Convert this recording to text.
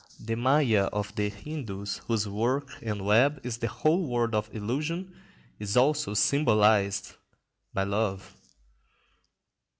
The Mâya of the Hindus, whose work and web is the whole world of illusion, is also symbolised by love.